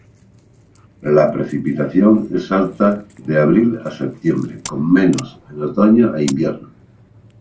La precipitación es alta de abril a septiembre, con menos en otoño e invierno.